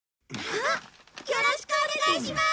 よろしくお願いします！